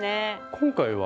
今回は？